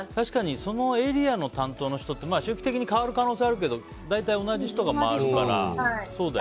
そのエリアの担当の人って変わる可能性もあるけど大体同じ人が回るから。